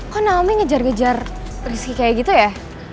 kok naomi ngejar gejar rizky kayak gitu ya